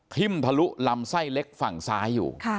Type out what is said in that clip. ทิ่มทะลุลำไส้เล็กฝั่งซ้ายอยู่